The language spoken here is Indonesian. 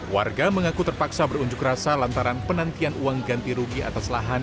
warga mengaku terpaksa berunjuk rasa lantaran penantian uang ganti rugi atas lahan